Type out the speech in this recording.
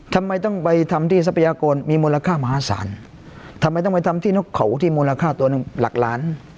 ทำไมต้องไปทำที่ทรัพยากรมีมูลค่ามหาศาลทำไมต้องไปทำที่นกเขาที่มูลค่าตัวหนึ่งหลักล้าน